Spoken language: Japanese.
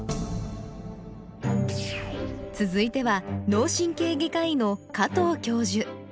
続いては脳神経外科医の加藤教授